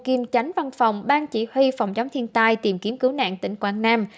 kiêm chánh văn phòng ban chỉ huy phòng chống thiên tai tìm kiếm cứu nạn tỉnh quảng nam